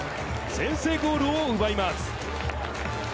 先制ゴールを奪います。